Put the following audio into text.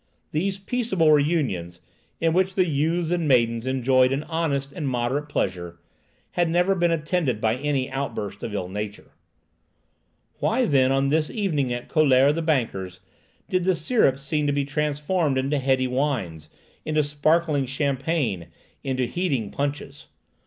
These peaceable reunions, in which the youths and maidens enjoyed an honest and moderate pleasure, had never been attended by any outburst of ill nature. Why, then, on this evening at Collaert the banker's, did the syrups seem to be transformed into heady wines, into sparkling champagne, into heating punches?